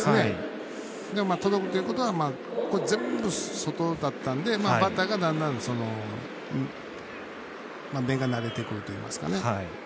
届くということは全部、外だったんでバッターが、だんだん目が慣れてくるといいますか。